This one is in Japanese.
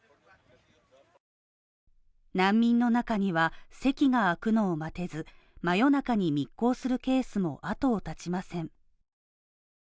難民の中には、席が空くのを待てず夜中に密航するケースも後を絶ちません。